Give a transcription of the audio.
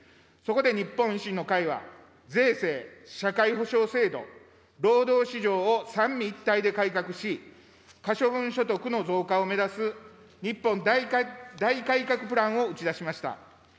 そこで日本維新の会は、税制、社会保障制度、労働市場を三位一体で改革し、可処分所得の増加を目指す日本大改革プランを打ち出しました。